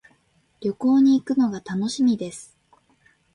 旅行に行くのが楽しみです。